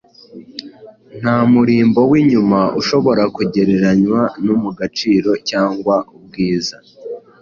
nta murimbo w’inyuma ushobora kugereranywa mu gaciro cyangwa ubwiza